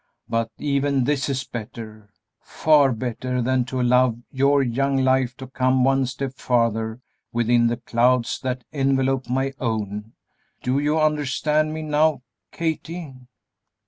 But even this is better far better than to allow your young life to come one step farther within the clouds that envelop my own. Do you understand me now, Kathie?"